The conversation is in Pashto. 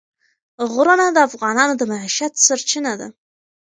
غرونه د افغانانو د معیشت سرچینه ده.